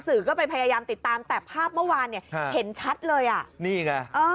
สื่อก็ไปพยายามติดตามแต่ภาพเมื่อวานเนี่ยเห็นชัดเลยอ่ะนี่ไงเออ